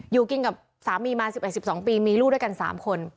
อยู่กินกับสามีมา๑๑๑๒ปีมีลูกด้วยกัน๓คน